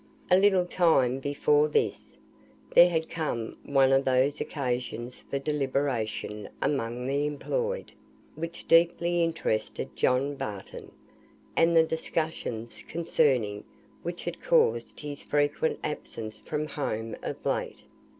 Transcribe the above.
A little time before this, there had come one of those occasions for deliberation among the employed, which deeply interested John Barton; and the discussions concerning which had caused his frequent absence from home of late.